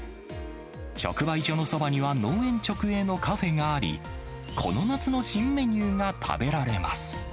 直売所のそばには、農園直営のカフェがあり、この夏の新メニューが食べられます。